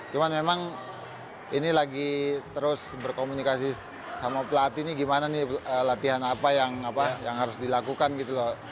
cuman memang ini lagi terus berkomunikasi sama pelatih ini gimana nih latihan apa yang harus dilakukan gitu loh